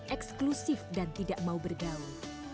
eksklusif dan tidak mau bergaul